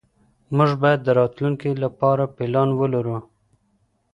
موږ بايد د راتلونکي لپاره پلان ولرو.